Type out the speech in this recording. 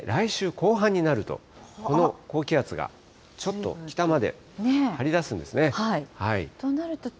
そして来週後半になると、この高気圧がちょっと北まで張り出すんですね。